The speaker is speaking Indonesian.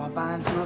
tahu apaan sof